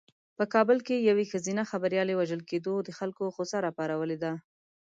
په کابل کې د یوې ښځینه خبریالې وژل کېدو د خلکو غوسه راپارولې ده.